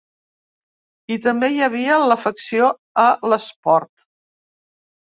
I també hi havia l'afecció a l'esport.